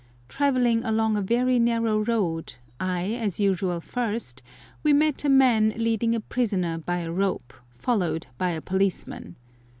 Travelling along a very narrow road, I as usual first, we met a man leading a prisoner by a rope, followed by a policeman.